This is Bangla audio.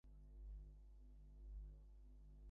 আমার সময়ের একটু টানাটানি যাচ্ছে।